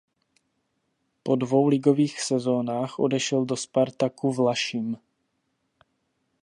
Po dvou ligových sezónách odešel do Spartaku Vlašim.